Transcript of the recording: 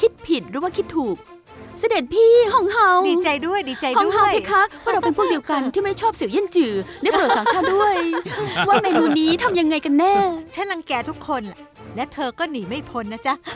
สตาร์เชฟเก่าต้องชนะต้องชนะก้อนกำลังเหลือเกิน